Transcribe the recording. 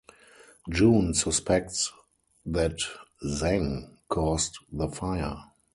Jun suspects that Zeng caused the fire.